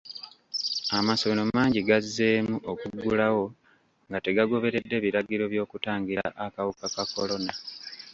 Amasomero mangi gazzeemu okuggulawo nga tegagoberedde biragiro by'okutangira akawuka ka kolona.